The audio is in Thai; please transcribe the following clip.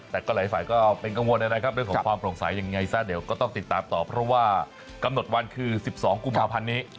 แต่ก็หลายฝ่ายก็เป็นกังวลนะครับเรื่องของความโปร่งใสยังไงซะเดี๋ยวก็ต้องติดตามต่อเพราะว่ากำหนดวันคือ๑๒กุมภาพันธ์นี้